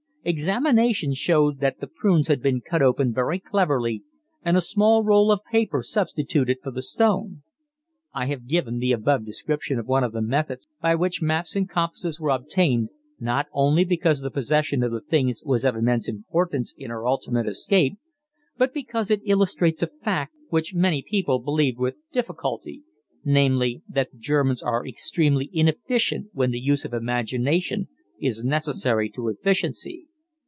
Examination showed that the prunes had been cut open very cleverly and a small roll of paper substituted for the stone. I have given the above description of one of the methods by which maps and compasses were obtained, not only because the possession of the things was of immense importance in our ultimate escape, but because it illustrates a fact, which many people believed with difficulty, namely, that the Germans are extremely inefficient when the use of the imagination is necessary to efficiency.